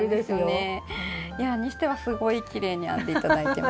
にしてはすごいきれいに編んで頂いてます。